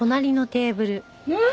うん！